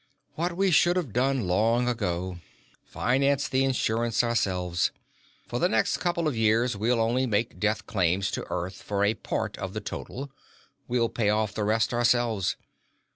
"What we should have done long ago: finance the insurance ourselves. For the next couple of years, we'll only make death claims to Earth for a part of the total. We'll pay off the rest ourselves.